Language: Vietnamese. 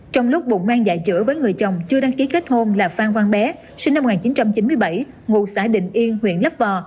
trong lúc bụng mang dạy chữ với người chồng chưa đăng ký kết hôn là phan văn bé sinh năm một nghìn chín trăm chín mươi bảy ngụ xã định yên huyện lấp vò